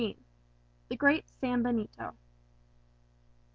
The Great Sanbenito.